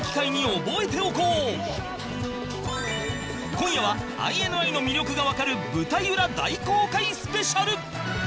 今夜は ＩＮＩ の魅力がわかる舞台裏大公開スペシャル！